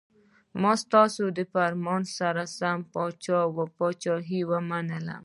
ما ستاسو د فرمان سره سم پاچهي ومنله.